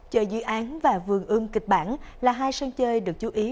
chợ dự án và vườn ưng kịch bản là hai sân chơi được chú ý